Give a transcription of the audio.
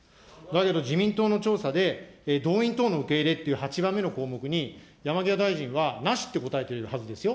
だけど自民党の調査で、動員等の受け入れっていう８番目の項目に、山際大臣はなしって答えているはずですよ。